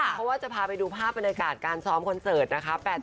เพราะว่าจะพาไปดูภาพบรรยากาศการซ้อมคอนเสิร์ตนะคะ